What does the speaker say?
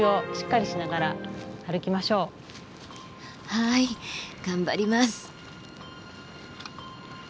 はい頑張ります。